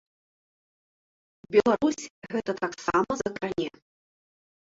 Беларусь гэта таксама закране.